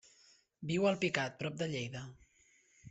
Viu a Alpicat, prop de Lleida.